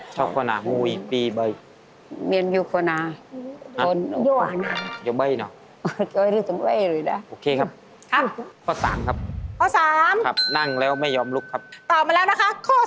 ตอบมาแล้วนะคะข้อ๓